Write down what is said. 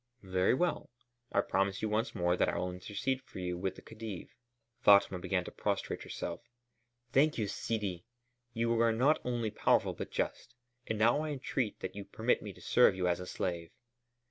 "Very well. I promise you once more that I will intercede for you with the Khedive." Fatma began to prostrate herself. "Thank you, Sidi! You are not only powerful, but just. And now I entreat that you permit me to serve you as a slave."